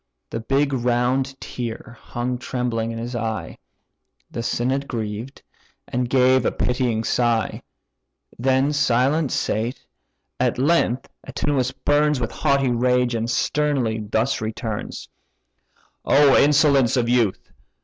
The big round tear hung trembling in his eye: The synod grieved, and gave a pitying sigh, Then silent sate—at length Antinous burns With haughty rage, and sternly thus returns: "O insolence of youth!